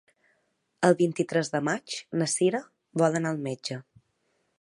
El vint-i-tres de maig na Sira vol anar al metge.